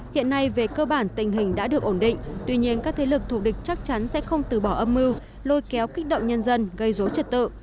hiện nay về cơ bản tình hình đã được ổn định tuy nhiên các thế lực thủ địch chắc chắn sẽ không từ bỏ âm mưu lôi kéo kích động nhân dân gây dối trật tự